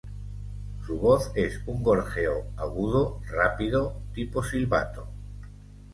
Su voz es un gorjeo agudo, rápido, tipo silbato.